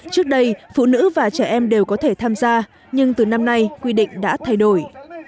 trước đây phụ nữ và trẻ em đều có thể tham gia nhưng từ năm nay quy định đã thay đổi